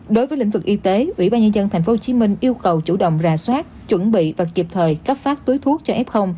đối với lĩnh vực y tế ubnd tp hcm yêu cầu chủ động ra soát chuẩn bị và kịp thời cấp phát túi thuốc cho f